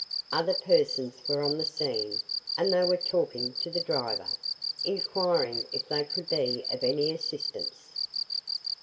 Other persons were on the scene and they were talking to the driver, inquiring if they could be of any assistance.